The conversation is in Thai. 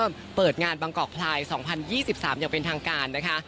เปิดงานบางกอกพลาย๒๐๒๓อย่างเป็นทางการนะคะ